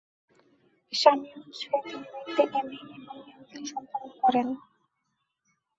স্বামীর উৎসাহে তিনি নৃত্যে এমএ এবং এমফিল সম্পন্ন করেন।